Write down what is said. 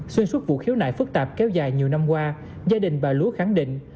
xuyên suốt vụ khiếu nại phức tạp kéo dài nhiều năm qua gia đình bà lúa khẳng định